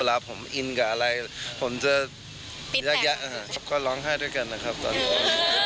เวลาผมอินกับอะไรผมจะแยกแยะก็ร้องไห้ด้วยกันนะครับตอนนี้